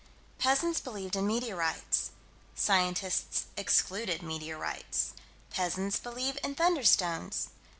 Peasants believed in meteorites. Scientists excluded meteorites. Peasants believe in "thunderstones."